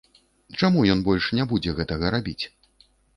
Чаму ён больш не будзе гэтага рабіць?